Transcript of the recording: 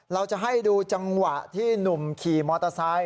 เราจะให้ดูจังหวะที่หนุ่มขี่มอเตอร์ไซค